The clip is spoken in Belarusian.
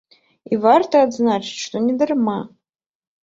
І варта адзначыць, што не дарма.